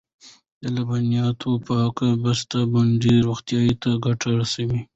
د لبنیاتو پاکه بسته بندي روغتیا ته ګټه رسوي.